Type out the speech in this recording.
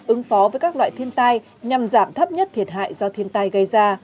ứng phó với các loại thiên tai nhằm giảm thấp nhất thiệt hại do thiên tai gây ra